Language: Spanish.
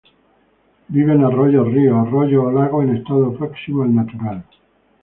Vive en arroyos, ríos, arroyos o lagos en estado próximo al natural.